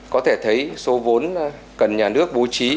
có thể thấy số vốn cần nhà nước bố trí